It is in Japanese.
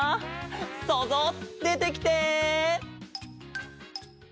そうぞうでてきて！